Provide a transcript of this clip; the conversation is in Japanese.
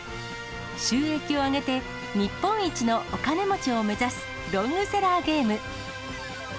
収益を上げて、日本一のお金持ちを目指すロングセラーゲーム。